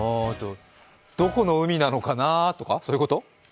どこの海なのかなーとか、そういうこと？